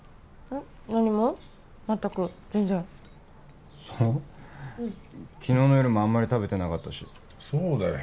うん昨日の夜もあんまり食べてなかったしそうだよ